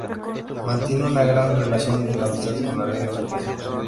Mantiene una gran relación de amistad con la reina Sofía.